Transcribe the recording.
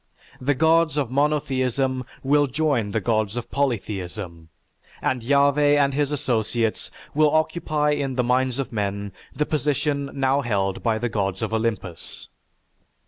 The gods of monotheism will join the gods of polytheism and Yahveh and his associates will occupy in the minds of men the position now held by the gods of Olympus.